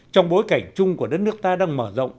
trong bối cảnh chung của đất nước ta đang mở rộng